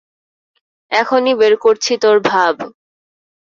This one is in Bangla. এখনি বের করছি তোর ভাব!